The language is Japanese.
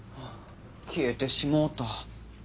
消えてしもうた。